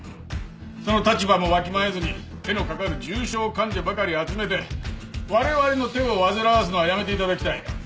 その立場もわきまえずに手のかかる重症患者ばかり集めてわれわれの手を煩わすのはやめていただきたい。